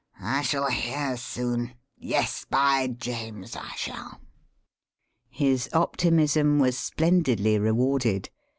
I shall hear soon yes, by James! I shall." His optimism was splendidly rewarded.